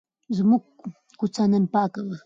زموږ کوڅه نن پاکه وه.